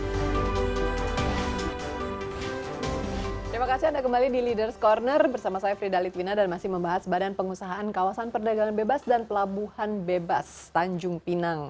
terima kasih anda kembali di ⁇ leaders ⁇ corner bersama saya frida litwina dan masih membahas badan pengusahaan kawasan perdagangan bebas dan pelabuhan bebas tanjung pinang